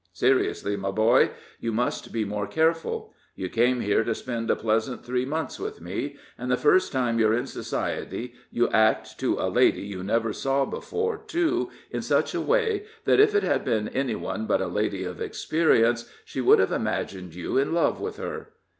"Seriously, my boy, you must be more careful. You came here to spend a pleasant three months with me, and the first time you're in society you act, to a lady you never saw before, too, in such a way, that if it had been any one but a lady of experience, she would have imagined you in love with her."